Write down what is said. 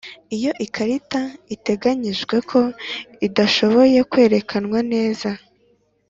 Iyo ikarita iteganijwe ko idashoboye kwerekanwa neza